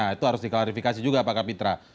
itu harus diklarifikasi juga pak kapitra